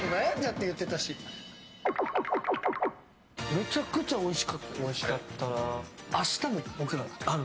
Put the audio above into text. めちゃくちゃおいしかったです。